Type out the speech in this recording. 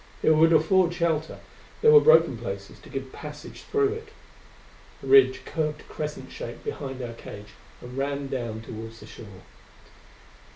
It would afford shelter: there were broken places to give passage through it. The ridge curved crescent shaped behind our cage and ran down toward the shore.